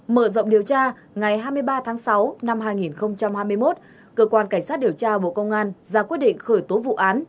mở rộng điều tra ngày hai mươi ba tháng sáu năm hai nghìn hai mươi một cơ quan cảnh sát điều tra bộ công an ra quyết định khởi tố vụ án